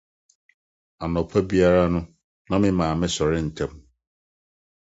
Anɔpa biara na me maame sɔre ntɛm.